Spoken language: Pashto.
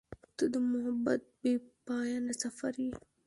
• ته د محبت بېپایانه سفر یې.